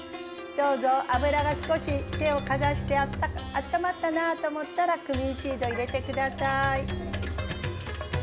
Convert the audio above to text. どうぞ油が少し手をかざしてあったまったなと思ったらクミンシード入れて下さい。